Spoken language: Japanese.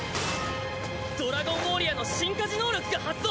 ドラゴンウォーリアの進化時能力が発動！